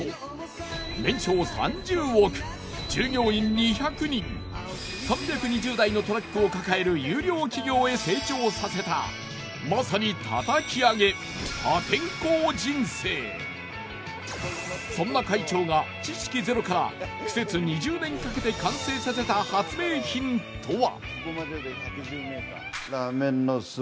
二十歳で３２０台のトラックを抱える優良企業へ成長させたまさにそんな会長が知識ゼロから苦節２０年かけて完成させた発明品とは？